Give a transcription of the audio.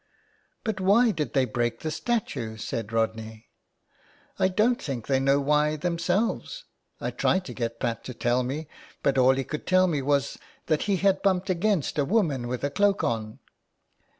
" But why did they break the statue ?" said Rodney, " I don't think they know why themselves. I tried to get Pat to tell me, but all he could tell me was that he had bumped against a woman with a cloak on.''